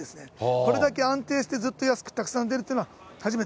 これだけ安定してずっと安くたくさん出るっていうのは、初めて。